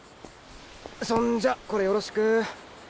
そんじゃこれよろしく。